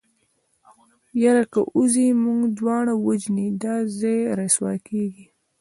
يره که ووځې موږ دواړه وژني دا ځای رسوا کېږي.